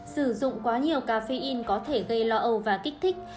sử dụng quá nhiều caffeine có thể gây lo âu và kích thích